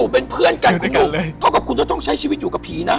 เท่ากับคุณก็ต้องใช้ชีวิตอยู่กับผีนะ